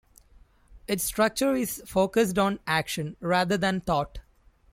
Its structure is focused on action rather than thought.